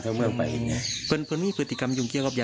แจ้งตำรวจเลยนะคะ